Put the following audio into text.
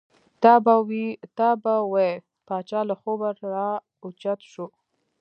تا به وې پاچا له خوبه را او چت شو.